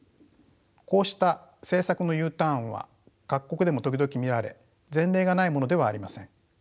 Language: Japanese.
こうした政策のＵターンは各国でも時々見られ前例がないものではありません。